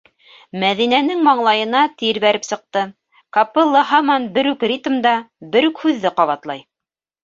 Мәҙинәнең маңлайына тир бәреп сыҡты, капелла һаман бер үк ритмда, бер үк һүҙҙе ҡабатлай: